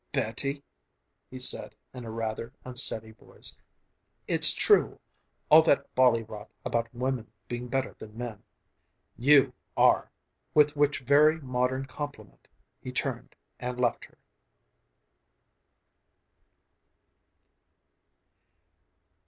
"Betty," he said in a rather unsteady voice, "its true, all that bally rot about women being better than men. You are!" With which very modern compliment, he turned and left her.